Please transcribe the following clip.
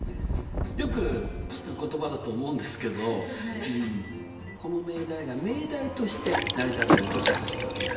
よく聞く言葉だと思うんですけどこの命題が命題として成り立ってるとしましょう。